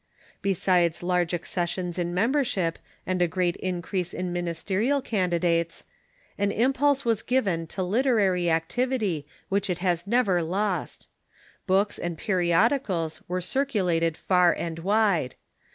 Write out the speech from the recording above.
Besides large accessions in membership and a great increase in ministerial candidates, an impulse was given to literary ac tivity Avhich it has never lost. Books and periodicals were circulated far and wide.